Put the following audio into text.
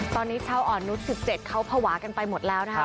ตอนนี้เช้าอ่อนนุษย์๑๗เค้าผวากันไปหมดแล้วนะครับ